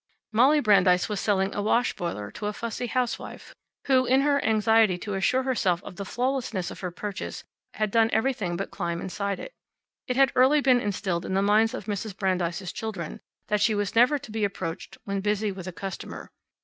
Molly Brandeis was selling a wash boiler to a fussy housewife who, in her anxiety to assure herself of the flawlessness of her purchase, had done everything but climb inside it. It had early been instilled in the minds of Mrs. Brandeis's children that she was never to be approached when busy with a customer.